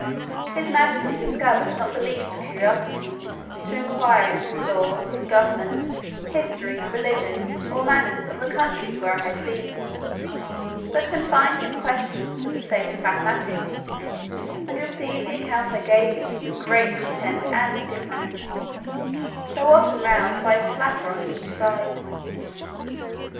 His majesty discovered not the least curiosity to inquire into the laws, government, history, religion, or manners of the countries where I had been; but confined his questions to the state of mathematics, and received the account I gave him with great contempt and indifference, though often roused by his flapper on each side.